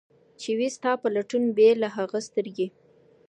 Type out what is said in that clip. چي وي ستا په لټون، بې له هغه سترګي